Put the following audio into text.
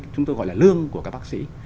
chúng tôi gọi là lương của các bác sĩ